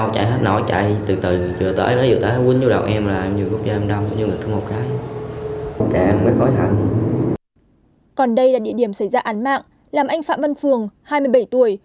còn đây là địa điểm xảy ra án mạng làm anh phạm văn phường hai mươi bảy tuổi